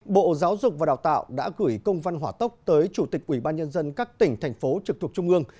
bộ giáo dục và đào tạo đã gửi công văn hỏa tốc tới chủ tịch ubnd các tỉnh thành phố trực thuộc trung ương